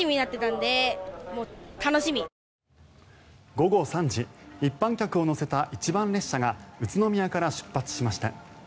午後３時一般客を乗せた一番列車が宇都宮から出発しました。